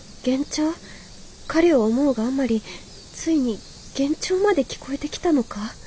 彼を思うがあまりついに幻聴まで聞こえてきたのか？